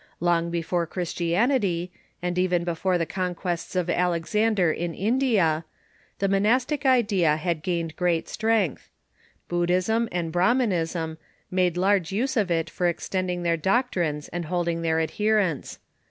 Long before Christianit}', and even before the con quests of Alexander in India, the monastic idea had Monasticism gained great strength. Buddhism and Brahminism made large use of it for extending their doctrines and holding their adherents.